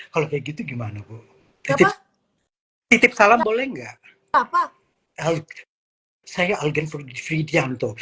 kalau kayak gitu gimana bu titip titip salam boleh nggak apa apa saya agen frigianto